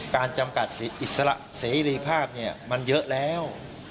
การจำกัดเสรีภาพมันเยอะแล้ว